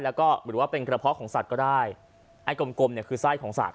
แล้วก็หรือว่าเป็นกระเพาะของสัตว์ก็ได้ไอ้กลมกลมเนี่ยคือไส้ของสัตว